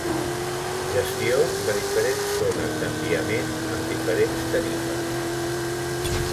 Gestió de diferents zones d'enviament amb diferents tarifes.